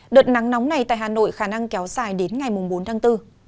đợt nắng nóng này tại hà nội khả năng kéo dài đến ngày bốn tháng bốn